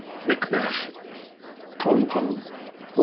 '" "MACBETH," TONE POEM: Op.